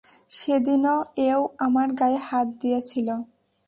সেদিন এও আমার গায়ে হাত দিয়েছিলো।